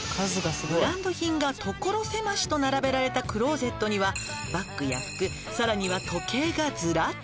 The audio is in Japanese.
「ブランド品が所狭しと並べられたクローゼットにはバッグや服さらには時計がずらっと」